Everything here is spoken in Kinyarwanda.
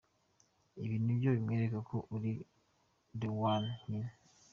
Ibi nibyo bimwereka ko uri the one nyine.